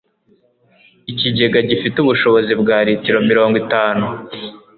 Ikigega gifite ubushobozi bwa litiro mirongo itanu.